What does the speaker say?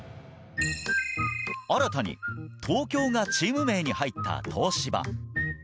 新たに「東京」がチーム名に入った東芝。